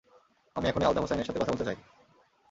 আমি এখনি আলতাফ হুসাইন এর সাথে কথা বলতে চাই।